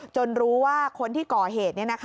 รู้ว่าคนที่ก่อเหตุ